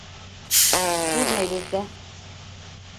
Күрмәйбеҙ ҙә.